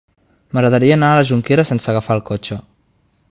M'agradaria anar a la Jonquera sense agafar el cotxe.